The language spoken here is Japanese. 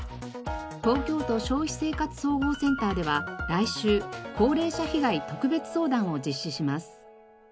東京都消費生活総合センターでは来週高齢者被害特別相談を実施します。